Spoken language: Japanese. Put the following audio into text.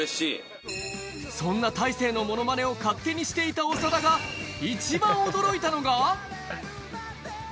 そんな大勢のモノマネを勝手にしていた長田が見ました？